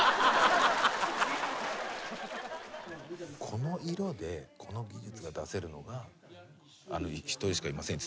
「この色でこの技術が出せるのが１人しかいません」